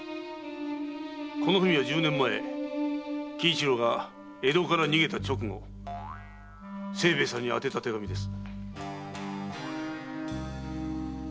この文は十年前喜一郎が江戸から逃げた直後清兵衛さんに宛てた手紙です。